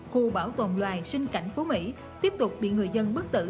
khu bảo tồn loài sinh cảnh phố mỹ tiếp tục bị người dân bức tử